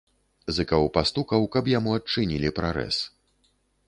Зыкаў пастукаў, каб яму адчынілі прарэз.